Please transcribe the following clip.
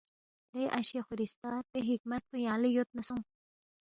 لے اشے خورِستہ دے حکمت پو یانگ لہ یود نہ سونگ